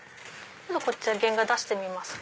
こちら原画出してみますか？